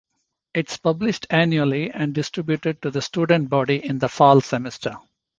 It is published annually and distributed to the student body in the fall semester.